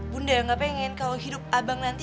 bunda gak pengen kalau hidup abang nanti